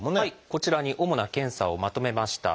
こちらに主な検査をまとめました。